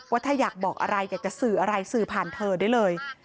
ถ้าอยากบอกอะไรอยากจะสื่ออะไรสื่อผ่านเธอได้เลย